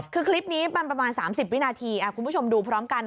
คือคลิปนี้มันประมาณ๓๐วินาทีคุณผู้ชมดูพร้อมกัน